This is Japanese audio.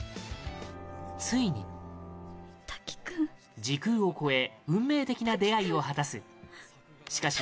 ついに、時空を超え運命的な出会いを果たすしかし